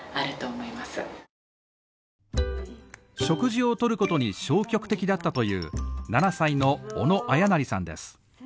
食事をとることに消極的だったという７歳の小野絢也さんです。